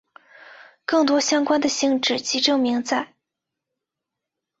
更多相关的性质及证明在。